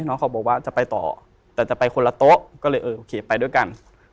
เขาบอกว่าจะไปต่อแต่จะไปคนละโต๊ะก็เลยเออโอเคไปด้วยกัน